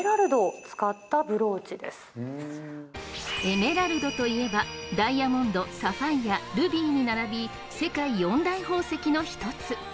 エメラルドといえばダイヤモンドサファイアルビーに並び世界四大宝石の一つ